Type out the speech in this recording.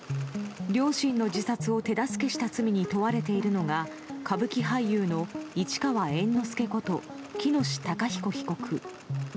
両親の自殺を手助けした罪に問われているのが歌舞伎俳優の市川猿之助こと喜熨斗孝彦被告。